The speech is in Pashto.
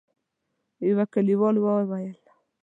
يوه کليوال وويل: